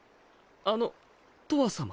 あのとわさま？